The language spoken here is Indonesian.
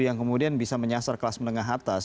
yang kemudian bisa menyasar kelas menengah atas